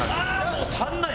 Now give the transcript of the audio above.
もう足らない。